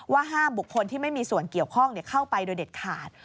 ห้ามบุคคลที่ไม่มีส่วนเกี่ยวข้องเข้าไปโดยเด็ดขาด